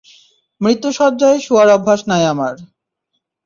মৃত্যুশয্যায় শুয়ার অভ্যাস নাই আমার।